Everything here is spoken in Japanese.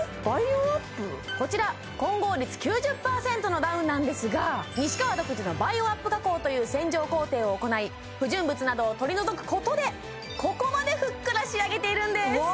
こちら混合率９０％のダウンなんですが西川独自のバイオアップ加工という洗浄工程を行い不純物などを取り除くことでここまでふっくら仕上げているんです！